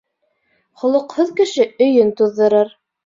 Холоҡһоҙ кеше өйөн туҙҙырыр.